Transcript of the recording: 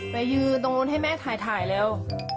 ไปยืนตรงนู้นให้แม่ถ่ายแล้ว